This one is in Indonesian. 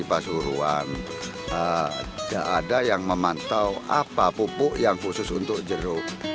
jadi pas huruan tidak ada yang memantau apa pupuk yang khusus untuk jeruk